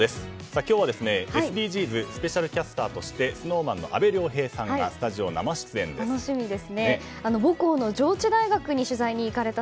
今日は、ＳＤＧｓスペシャルキャスターとしてＳｎｏｗＭａｎの阿部亮平さんがスタジオ生出演です。